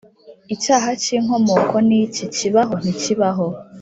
icyaha cy’inkomoko ni iki? kibaho, ntikibaho?